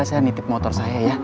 bisa bawa bapak ke rumah saya ya